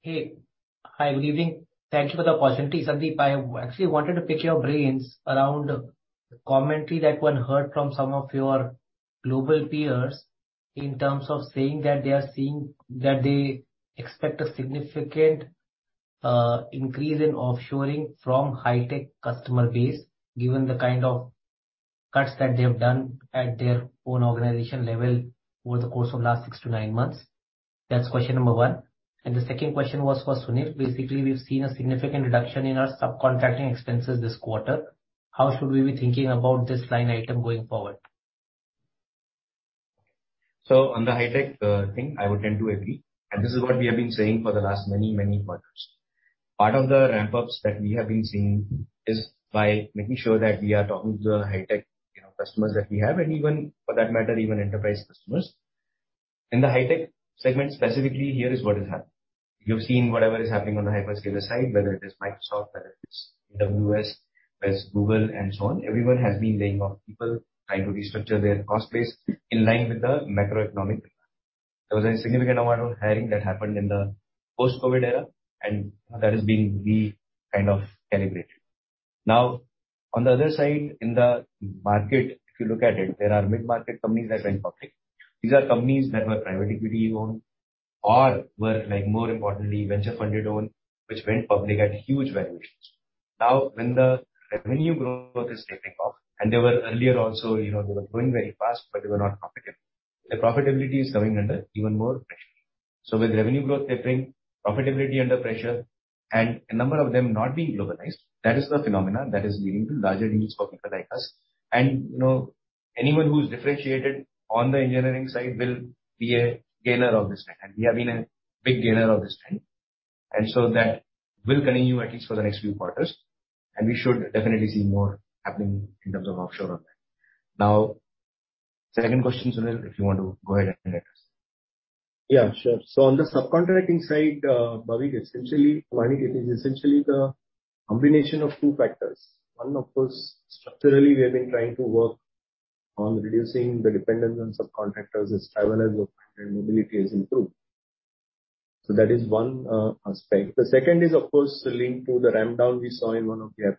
Hey. Hi, good evening. Thank you for the opportunity, Sandeep. I actually wanted to pick your brains around the commentary that one heard from some of your global peers in terms of saying that they are seeing that they expect a significant increase in offshoring from high-tech customer base, given the kind of cuts that they have done at their own organization level over the course of last six to nine months. That's question number one. The second question was for Sunil. Basically, we've seen a significant reduction in our subcontracting expenses this quarter. How should we be thinking about this line item going forward? On the high-tech thing, I would tend to agree, and this is what we have been saying for the last many, many quarters. Part of the ramp-ups that we have been seeing is by making sure that we are talking to the high-tech, you know, customers that we have and even for that matter, even enterprise customers. In the high-tech segment specifically, here is what has happened. You've seen whatever is happening on the hyperscaler side, whether it is Microsoft, whether it is AWS, whether it's Google and so on. Everyone has been laying off people, trying to restructure their cost base in line with the macroeconomic. There was a significant amount of hiring that happened in the post-COVID era, and that is being re-kind of calibrated. On the other side, in the market, if you look at it, there are mid-market companies that went public. These are companies that were private equity owned or were like more importantly, venture funded owned, which went public at huge valuations. When the revenue growth is taking off, and they were earlier also, you know, they were growing very fast, but they were not profitable. The profitability is coming under even more pressure. With revenue growth tapering, profitability under pressure and a number of them not being globalized, that is the phenomenon that is leading to larger deals for people like us. You know, anyone who's differentiated on the engineering side will be a gainer of this trend. We have been a big gainer of this trend, and so that will continue at least for the next few quarters, and we should definitely see more happening in terms of offshore on that. Second question, Sunil, if you want to go ahead and address. Yeah, sure. On the subcontracting side, Bhavik, essentially, Manik it is essentially the combination of two factors. One, of course, structurally, we have been trying to work on reducing the dependence on subcontractors as travel has opened and mobility has improved. That is one aspect. The second is of course, linked to the ramp down we saw in one of the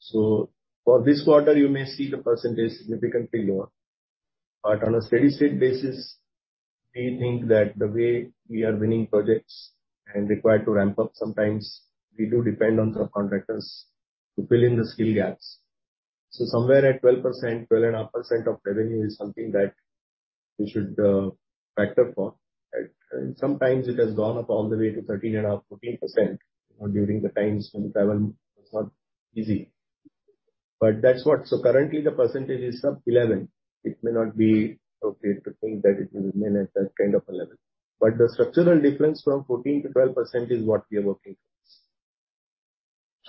hyperscalers. For this quarter you may see the percentage significantly lower. On a steady-state basis, we think that the way we are winning projects and required to ramp up sometimes we do depend on subcontractors to fill in the skill gaps. Somewhere at 12%, 12.5% of revenue is something that you should factor for, right? Sometimes it has gone up all the way to 13.5, 14%, you know, during the times when travel was not easy. That's what. Currently the percentage is sub-11. It may not be appropriate to think that it will remain at that kind of a level, but the structural difference from 14%-12% is what we are working towards.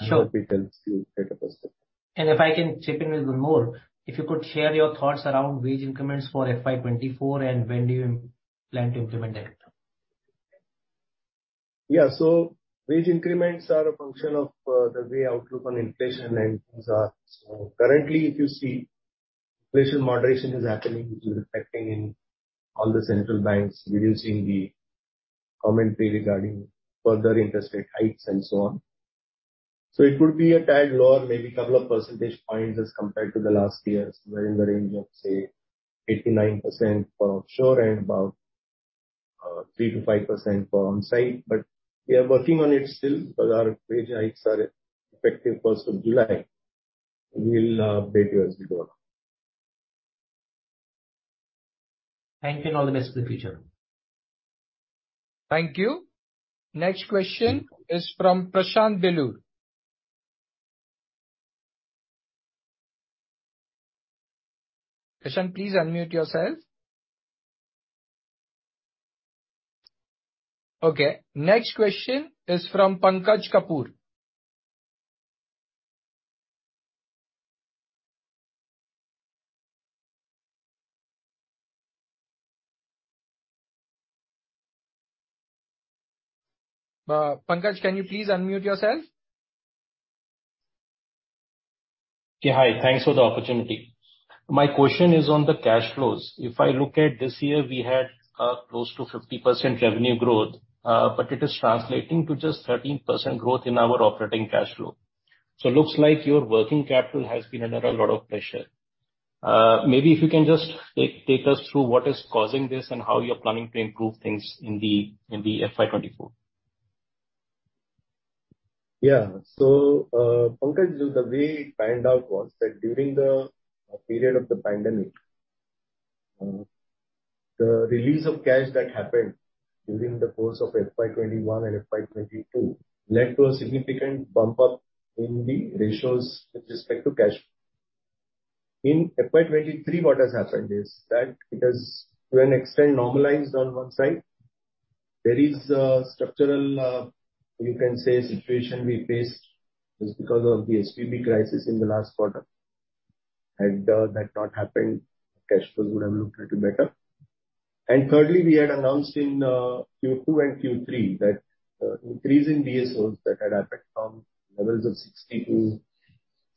Sure. I hope it helps you get a perspective. If I can chip in with one more. If you could share your thoughts around wage increments for FY 2024 and when do you plan to implement it? Wage increments are a function of the way outlook on inflation and things are. Currently, if you see inflation moderation is happening, which is reflecting in all the central banks reducing the commentary regarding further interest rate hikes and so on. It could be a tad lower, maybe couple of percentage points as compared to the last few years. We're in the range of, say, 8-9% for offshore and about 3-5% for onsite. We are working on it still 'cause our wage hikes are effective 1st of July. We'll update you as we go along. Thank you. All the best for the future. Thank you. Next question is from Prashant Bilur. Prashant, please unmute yourself. Okay. Next question is from Pankaj Kapoor. Pankaj, can you please unmute yourself? Yeah. Hi. Thanks for the opportunity. My question is on the cash flows. If I look at this year, we had, close to 50% revenue growth, but it is translating to just 13% growth in our operating cash flow. Looks like your working capital has been under a lot of pressure. Maybe if you can just take us through what is causing this and how you're planning to improve things in the FY 2024. Pankaj, the way it panned out was that during the period of the pandemic, the release of cash that happened during the course of FY 2021 and FY 2022 led to a significant bump up in the ratios with respect to cash. In FY 2023, what has happened is that it has, to an extent, normalized on one side. There is a structural, you can say, situation we faced is because of the SVB crisis in the last quarter. Had that not happened, cash flows would have looked a little better. Thirdly, we had announced in Q2 and Q3 that increase in DSOs that had affected from levels of 60 to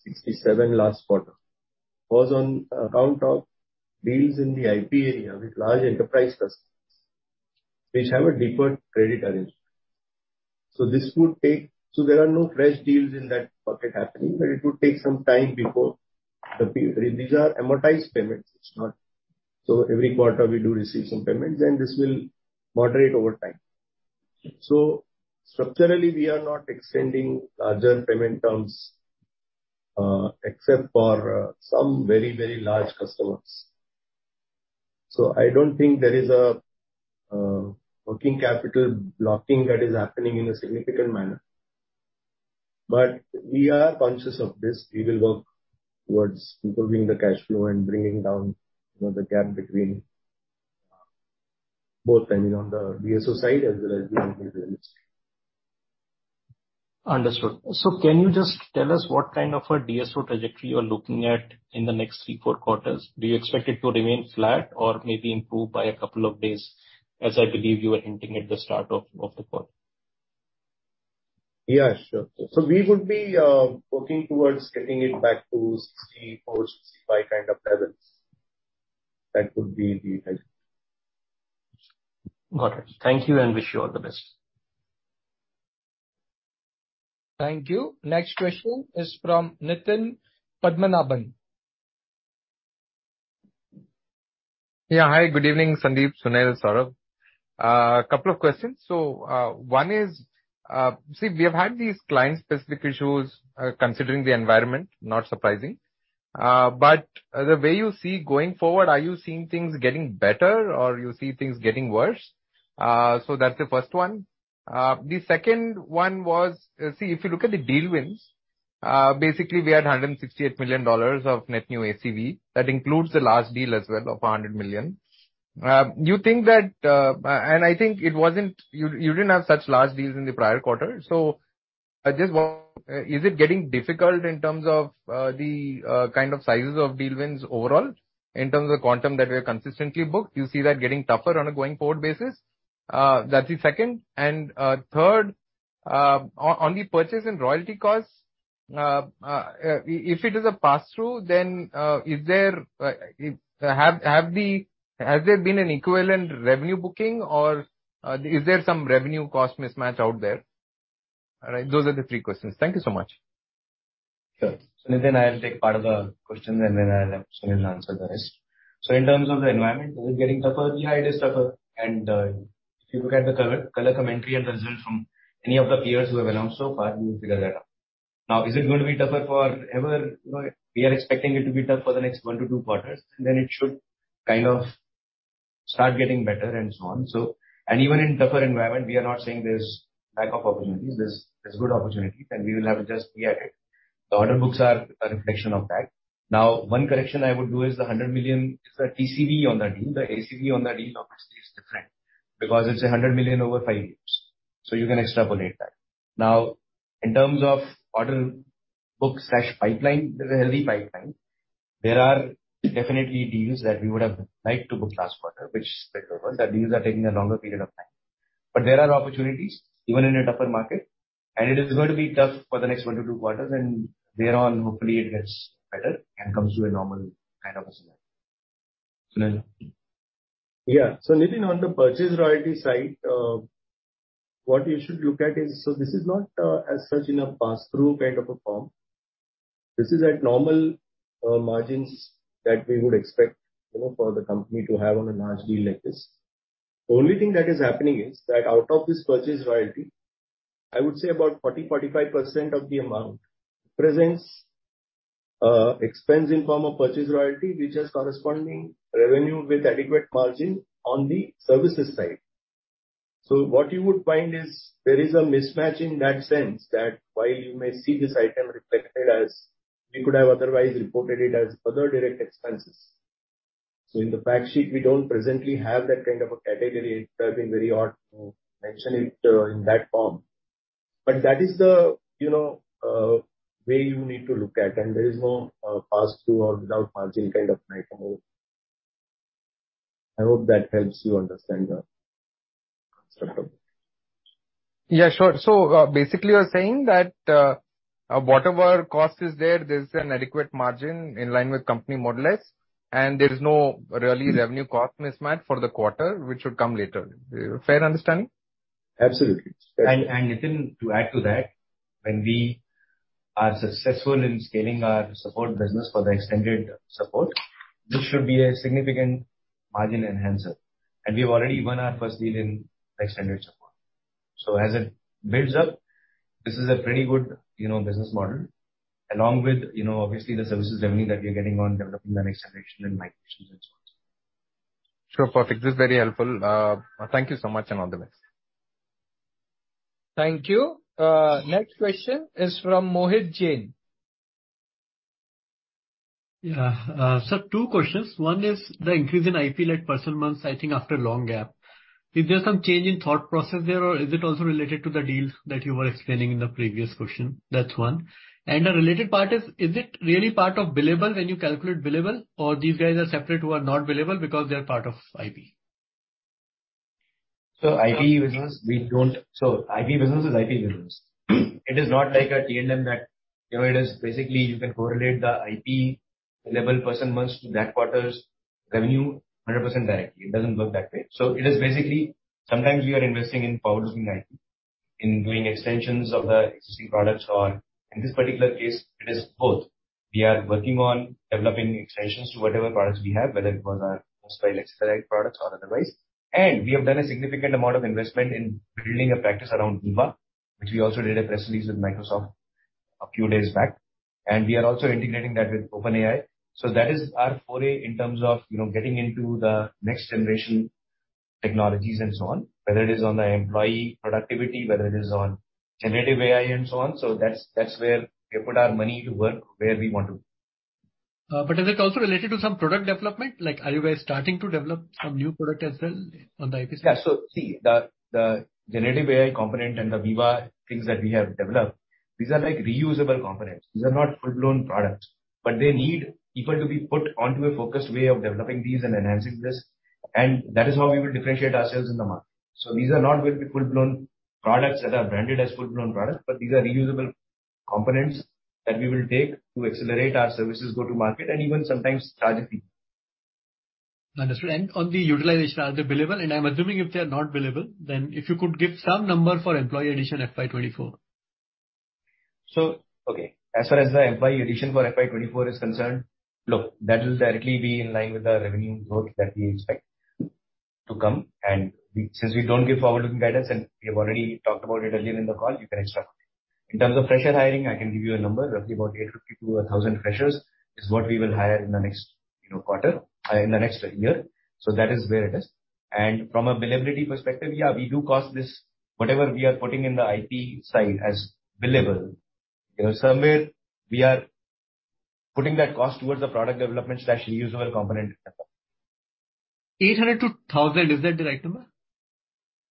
67 last quarter was on account of deals in the IP area with large enterprise customers which have a deferred credit arrangement. This would take... There are no fresh deals in that bucket happening. It would take some time before these are amortized payments. It's not. Every quarter we do receive some payments and this will moderate over time. Structurally, we are not extending larger payment terms, except for some very, very large customers. I don't think there is a working capital blocking that is happening in a significant manner. We are conscious of this. We will work towards improving the cash flow and bringing down, you know, the gap between, both I mean, on the DSO side as well as the. Understood. Can you just tell us what kind of a DSO trajectory you're looking at in the next three, four quarters? Do you expect it to remain flat or maybe improve by a couple of days, as I believe you were hinting at the start of the call? Yeah, sure. We would be working towards getting it back to 64, 65 kind of levels. That would be the Got it. Thank you and wish you all the best. Thank you. Next question is from Nitin Padmanabhan. Hi, good evening, Sandeep, Sunil, Saurabh. Couple of questions. One is, see, we have had these client-specific issues, considering the environment, not surprising. The way you see going forward, are you seeing things getting better or you see things getting worse? That's the first one. The second one was, see, if you look at the deal wins, basically we had $168 million of net new ACV. That includes the last deal as well of $100 million. You think that, I think you didn't have such large deals in the prior quarter. Just what, is it getting difficult in terms of, the, kind of sizes of deal wins overall in terms of quantum that we have consistently booked? Do you see that getting tougher on a going forward basis? That's the second. Third, on the purchase and royalty costs, if it is a pass-through, then, is there, has there been an equivalent revenue booking or, is there some revenue cost mismatch out there? Those are the three questions. Thank you so much. Sure. Nitin, I'll take part of the question and then I'll have Sunil answer the rest. In terms of the environment, is it getting tougher? Yeah, it is tougher. If you look at the color commentary and the result from any of the peers who have announced so far, you will figure that out. Is it going to be tougher forever? You know, we are expecting it to be tough for the next one to two quarters. It should kind of start getting better and so on. Even in tougher environment, we are not saying there's lack of opportunities. There's good opportunities, and we will have just be at it. The order books are a reflection of that. One correction I would do is the $100 million is the TCV on that deal. The ACV on that deal obviously is different because it's $100 million over 5 years. You can extrapolate that. In terms of order book slash pipeline, there's a healthy pipeline. There are definitely deals that we would have liked to book last quarter which spilled over. That deals are taking a longer period of time. There are opportunities even in a tougher market, and it is going to be tough for the next 1-2 quarters. Thereon, hopefully it gets better and comes to a normal kind of a scenario. Sunil. Yeah. Nitin on the purchase royalty side, what you should look at is, this is not as such in a pass-through kind of a form. This is at normal margins that we would expect, you know, for the company to have on a large deal like this. Only thing that is happening is that out of this purchase royalty, I would say about 40%-45% of the amount presents expense in form of purchase royalty which has corresponding revenue with adequate margin on the services side. What you would find is there is a mismatch in that sense that while you may see this item reflected as we could have otherwise reported it as other direct expenses. In the fact sheet, we don't presently have that kind of a category. It would have been very odd to mention it in that form. That is the, you know, way you need to look at, and there is no pass-through or without margin kind of item. I hope that helps you understand the structure. Yeah, sure. Basically you're saying that, whatever cost is there's an adequate margin in line with company model S, and there is no really revenue cost mismatch for the quarter, which would come later. Fair understanding? Absolutely. It's fair. Nitin, to add to that, when we are successful in scaling our support business for the extended support, this should be a significant margin enhancer. We've already won our first deal in the extended support. As it builds up, this is a pretty good, you know, business model along with, you know, obviously the services revenue that we are getting on developing the next generation and migrations and so on, so forth. Sure. Perfect. This is very helpful. Thank you so much and all the best. Thank you. Next question is from Mohit Jain. Sir, two questions. One is the increase in IP led person months, I think, after a long gap. Is there some change in thought process there or is it also related to the deals that you were explaining in the previous question? That's one. A related part is it really part of billable when you calculate billable or these guys are separate who are not billable because they are part of IP? IP business is IP business. It is not like a T&M that, you know, it is basically you can correlate the IP billable person months to that quarter's revenue 100% directly. It doesn't work that way. It is basically sometimes we are investing in forward-looking IP, in doing extensions of the existing products or in this particular case, it is both. We are working on developing extensions to whatever products we have, whether it was our most likely selected products or otherwise. We have done a significant amount of investment in building a practice around Viva, which we also did a press release with Microsoft a few days back. We are also integrating that with OpenAI. That is our foray in terms of, you know, getting into the next generation technologies and so on. Whether it is on the employee productivity, whether it is on generative AI and so on. That's where we put our money to work, where we want to. Is it also related to some product development? Like, are you guys starting to develop some new product as well on the IP side? See, the generative AI component and the Viva things that we have developed, these are like reusable components. These are not full-blown products, but they need people to be put onto a focused way of developing these and enhancing this, and that is how we will differentiate ourselves in the market. These are not going to be full-blown products that are branded as full-blown products, but these are reusable components that we will take to accelerate our services go-to-market and even sometimes charge people. Understood. On the utilization, are they billable? I'm assuming if they are not billable, if you could give some number for employee addition FY 2024. Okay. As far as the FY addition for FY 2024 is concerned, look, that will directly be in line with the revenue growth that we expect to come. Since we don't give forward-looking guidance, and we have already talked about it earlier in the call, you can extrapolate. In terms of fresher hiring, I can give you a number, roughly about 850 to 1,000 freshers is what we will hire in the next, you know, quarter, in the next year. That is where it is. From a billability perspective, yeah, we do cost this. Whatever we are putting in the IP side as billable, you know, somewhere we are putting that cost towards the product development slash reusable component development. 800-1,000, is that the right number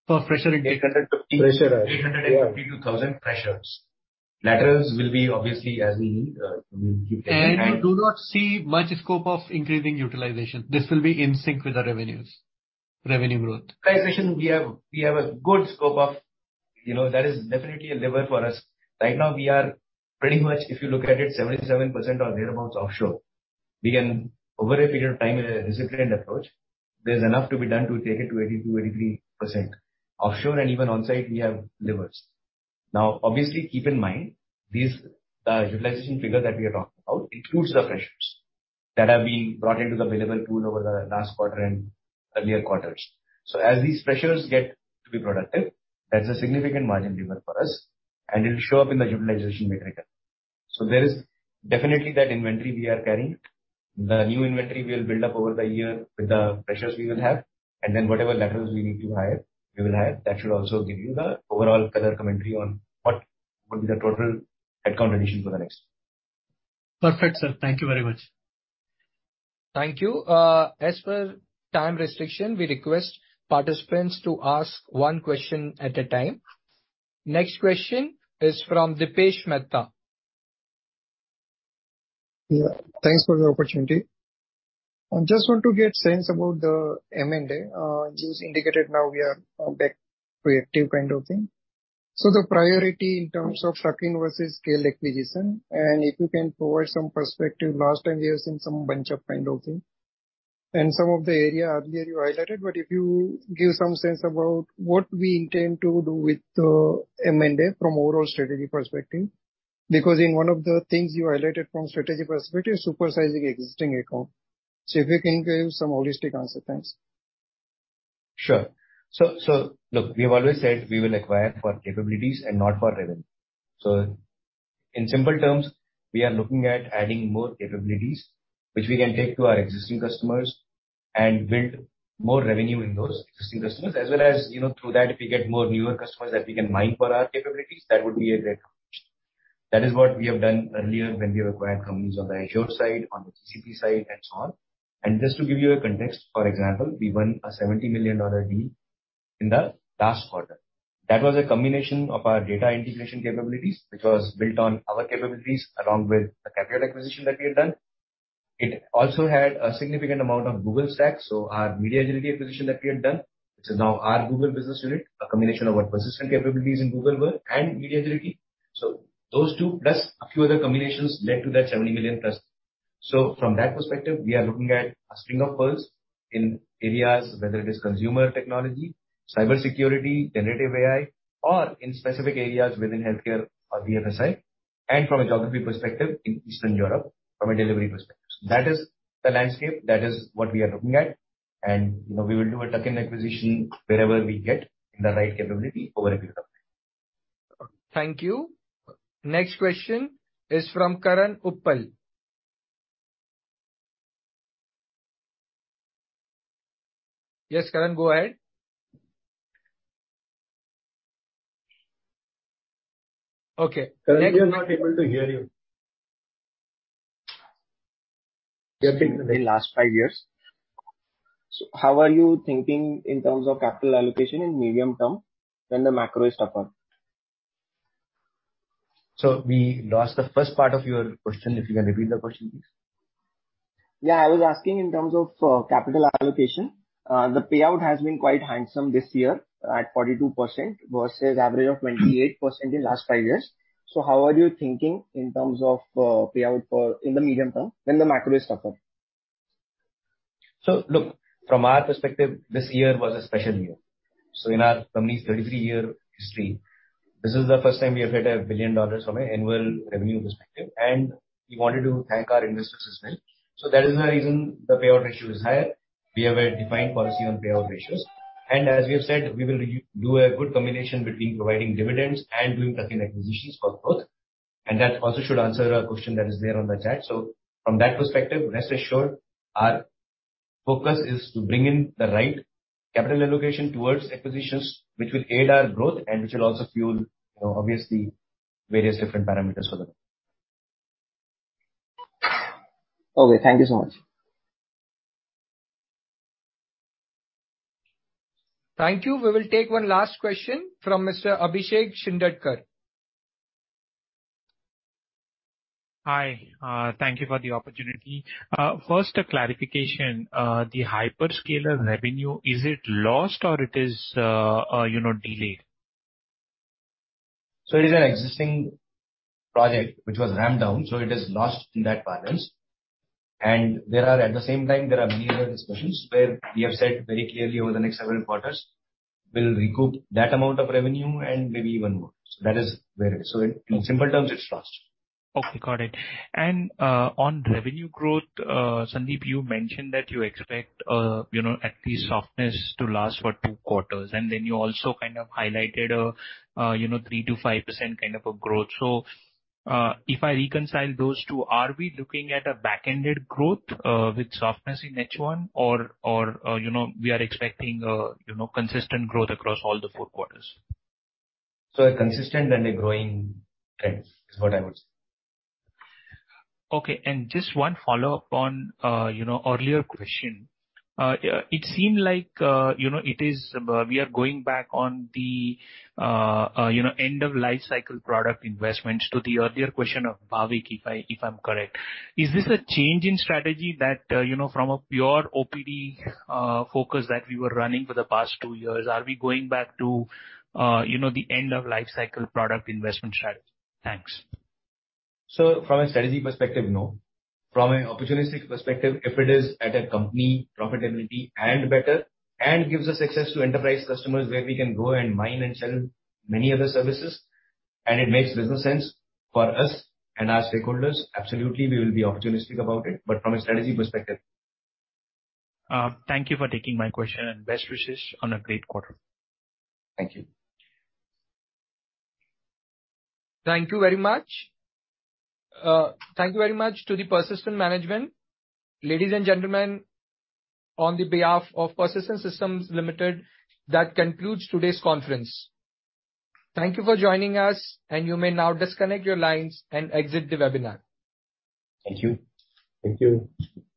for fresher intake? 850. Fresher hire. Yeah. 850-1,000 freshers. Laterals will be obviously as we need, we'll keep getting. You do not see much scope of increasing utilization. This will be in sync with the revenues, revenue growth. Utilization we have a good scope of. You know, that is definitely a lever for us. Right now we are pretty much, if you look at it, 77% or thereabouts offshore. We can, over a period of time, in a disciplined approach, there's enough to be done to take it to 80%-83% offshore and even on-site we have levers. Now, obviously, keep in mind the utilization figure that we are talking about includes the freshers that have been brought into the billable pool over the last quarter and earlier quarters. As these freshers get to be productive, that's a significant margin lever for us and it'll show up in the utilization metric. There is definitely that inventory we are carrying. The new inventory we'll build up over the year with the freshers we will have, and then whatever laterals we need to hire, we will hire. That should also give you the overall color commentary on what would be the total headcount addition for the next year. Perfect, sir. Thank you very much. Thank you. As per time restriction, we request participants to ask one question at a time. Next question is from Dipesh Mehta. Yeah. Thanks for the opportunity. I just want to get sense about the M&A. You indicated now we are back to active kind of thing. The priority in terms of tuck-in versus scale acquisition, and if you can provide some perspective. Last time we have seen some bunch-up kind of thing. Some of the area earlier you highlighted, but if you give some sense about what we intend to do with the M&A from overall strategy perspective. In one of the things you highlighted from strategy perspective, supersizing existing account. If you can give some holistic answer. Thanks. Sure. Look, we've always said we will acquire for capabilities and not for revenue. In simple terms, we are looking at adding more capabilities which we can take to our existing customers and build more revenue in those existing customers. As well as, you know, through that if we get more newer customers that we can mine for our capabilities, that would be a great opportunity. That is what we have done earlier when we acquired companies on the Azure side, on the GCP side, and so on. Just to give you a context, for example, we won a $70 million deal in the last quarter. That was a combination of our data integration capabilities, which was built on our capabilities, along with the capital acquisition that we had done. It also had a significant amount of Google Stack. Our MediaAgility acquisition that we had done, which is now our Google business unit. A combination of what Persistent capabilities in Google were and MediaAgility. Those two, plus a few other combinations led to that $70 million+ perspective, we are looking at a string of pearls in areas whether it is consumer technology, cybersecurity, generative AI, or in specific areas within healthcare or BFSI. From a geography perspective, in Eastern Europe from a delivery perspective. That is the landscape. That is what we are looking at. And, you know, we will do a tuck-in acquisition wherever we get in the right capability over a period of time. Thank you. Next question is from Karan Uppal. Yes, Karan, go ahead. Okay. Karan, we are not able to hear you. last five years. How are you thinking in terms of capital allocation in medium term when the macro is tougher? We lost the first part of your question. If you can repeat the question, please. Yeah, I was asking in terms of capital allocation. The payout has been quite handsome this year at 42% versus average of 28% in last five years. How are you thinking in terms of payout for in the medium term when the macro is tougher? Look, from our perspective, this year was a special year. In our company's 33-year history, this is the first time we have hit $1 billion from an annual revenue perspective, and we wanted to thank our investors as well. That is the reason the payout ratio is higher. We have a defined policy on payout ratios. As we have said, we will do a good combination between providing dividends and doing tuck-in acquisitions for growth. That also should answer a question that is there on the chat. From that perspective, rest assured our focus is to bring in the right capital allocation towards acquisitions, which will aid our growth and which will also fuel, you know, obviously various different parameters for the. Okay. Thank you so much. Thank you. We will take one last question from Mr. Abhishek Shindadkar. Hi. Thank you for the opportunity. First a clarification. The hyperscaler revenue, is it lost or it is, you know, delayed? It is an existing project which was ramped down, so it is lost in that balance. There are, at the same time, there are newer discussions where we have said very clearly over the next several quarters we'll recoup that amount of revenue and maybe even more. That is where it is. In simple terms, it's lost. Okay, got it. On revenue growth, Sandeep, you mentioned that you expect, you know, at least softness to last for 2 quarters. You also kind of highlighted a, you know, 3%-5% kind of a growth. If I reconcile those two, are we looking at a back-ended growth with softness in H1 or, you know, we are expecting a, you know, consistent growth across all the 4 quarters? A consistent and a growing trend is what I would say. Okay. Just one follow-up on, you know, earlier question. It seemed like, you know, it is, we are going back on the, you know, end of life cycle product investments to the earlier question of Bhavik, if I'm correct. Is this a change in strategy that, you know, from a pure OPD focus that we were running for the past two years, are we going back to, you know, the end of life cycle product investment strategy? Thanks. From a strategy perspective, no. From an opportunistic perspective, if it is at a company profitability and better and gives us access to enterprise customers where we can go and mine and sell many other services and it makes business sense for us and our stakeholders, absolutely, we will be opportunistic about it. From a strategy perspective, no. Thank you for taking my question and best wishes on a great quarter. Thank you. Thank you very much. Thank you very much to the Persistent management. Ladies and gentlemen, on the behalf of Persistent Systems Limited, that concludes today's conference. Thank you for joining us. You may now disconnect your lines and exit the webinar. Thank you. Thank you.